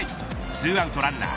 ２アウトランナー